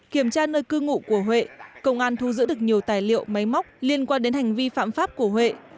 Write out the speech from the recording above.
kiểm tra nơi cư ngụ của huệ công an thu giữ được nhiều tài liệu máy móc liên quan đến hành vi phạm pháp của huệ